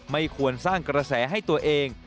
ไม่ควรสร้างกระแสให้ตัวเอง